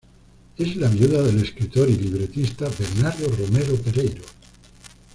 Es la viuda del escritor y libretista Bernardo Romero Pereiro.